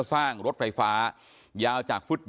หายไปตั้งกี่ปีแล้วอยู่ก็บอกว่ามันจะมาแบบนี้